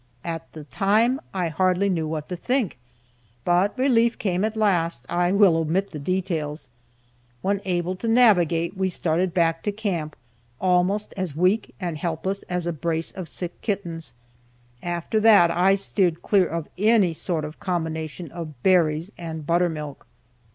At the time I hardly knew what to think, but relief came at last. I will omit the details. When able to navigate, we started back to camp, almost as weak and helpless as a brace of sick kittens. After that I steered clear of any sort of a combination of berries and buttermilk.